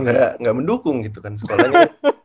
nggak mendukung gitu kan sekolahnya